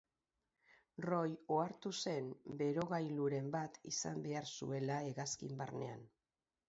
Roy ohartu zen berogailuren bat izan behar zuela hegazkin barnean.